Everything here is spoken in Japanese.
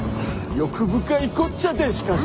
欲深いこっちゃでしかし。